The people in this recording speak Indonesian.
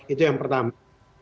itu yang pertama